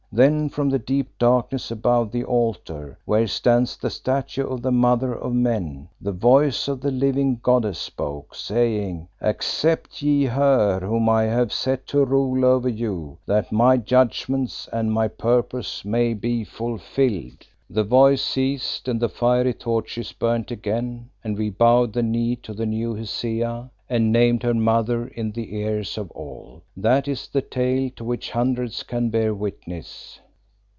Then from the deep darkness above the altar where stands the statue of the Mother of Men, the voice of the living goddess spoke, saying "'Accept ye her whom I have set to rule over you, that my judgments and my purposes may be fulfilled.' "The Voice ceased, the fiery torches burnt again, and we bowed the knee to the new Hesea, and named her Mother in the ears of all. That is the tale to which hundreds can bear witness."